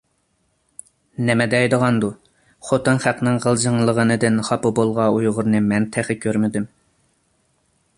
-نېمە دەيدىغاندۇ، خوتۇن خەقنىڭ غىلجىڭلىغىنىدىن خاپا بولغان ئۇيغۇرنى مەن تېخى كۆرمىدىم!